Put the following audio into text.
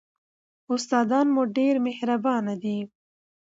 استادان مو ډېر مهربان دي.